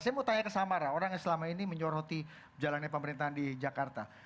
saya mau tanya ke samara orang yang selama ini menyoroti jalannya pemerintahan di jakarta